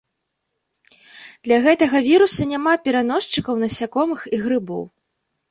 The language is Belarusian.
Для гэтага віруса няма пераносчыкаў насякомых і грыбоў.